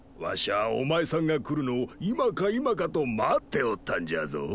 わしゃお前さんが来るのを今か今かと待っておったんじゃぞ。